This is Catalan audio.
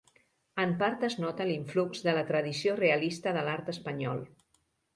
En part es nota l’influx de la tradició realista de l’art espanyol.